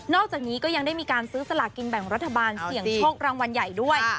อกจากนี้ก็ยังได้มีการซื้อสลากินแบ่งรัฐบาลเสี่ยงโชครางวัลใหญ่ด้วย